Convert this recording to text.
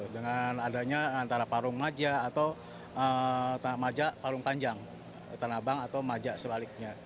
dengan adanya antara parung maja atau majak parung panjang tanah abang atau maja sebaliknya